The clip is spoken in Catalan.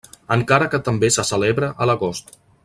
Encara que també se celebra a l'agost.